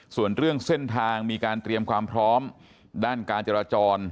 ส่วนเรื่องเส้นทางมีการเตรียมความพร้อมด้านการจราจร